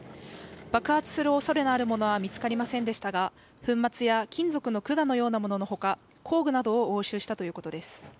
爆発するおそれのあるものは見つかりませんでしたが、粉末や金属の管のようなもののほか、工具などを押収したということです。